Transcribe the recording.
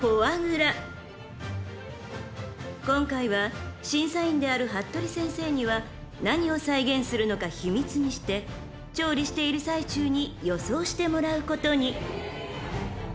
［今回は審査員である服部先生には何を再現するのか秘密にして調理している最中に予想してもらうことに］